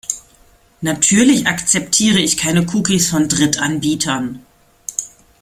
Natürlich akzeptiere ich keine Cookies von Drittanbietern.